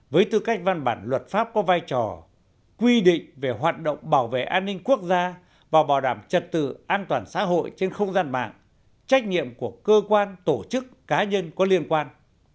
với tư cách văn bản luật pháp có vai trò quy định về hoạt động bảo vệ an ninh quốc gia và bảo đảm trật tự an toàn xã hội trên không gian mạng trách nhiệm của cơ quan tổ chức cá nhân có liên quan